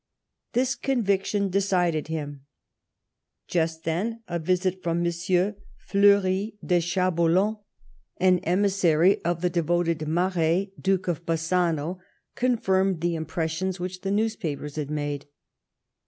This conviction decided him. Just then a visit from M. Fleury de 1S6 LIFE OF PItlNCE METTERNICE. Chaboulon, an emissary of the devoted ]\Iaret, Duke of Bassano, confirmed the impressions which the newspapers had made.